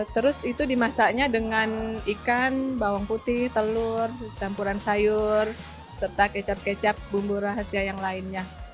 terus itu dimasaknya dengan ikan bawang putih telur campuran sayur serta kecap kecap bumbu rahasia yang lainnya